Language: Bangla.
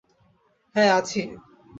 হ্যাঁ, আছি।